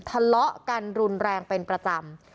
ทะเลาะกันรุนแรงเป็นประจำ